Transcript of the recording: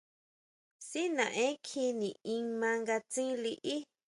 Si naʼen kjí niʼín ma nga tsín liʼí.